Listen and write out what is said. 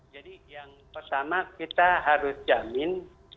jadi yang pertama kita harus jamin